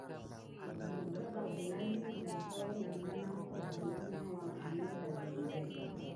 Derbaga gla i nəmpa wəlanga nampa balak nawa awaniɓa ginzek.